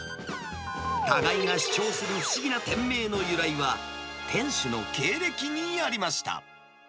互いが主張する不思議な店名の由来は、店主の経歴にありました。